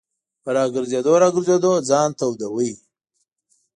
په ګرځېدو را ګرځېدو ځان توداوه.